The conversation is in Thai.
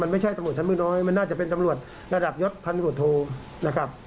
ไม่ใช่ตำรวจชั้นมือน้อยมันน่าจะเป็นตำรวจระดับยศพันธุโทนะครับ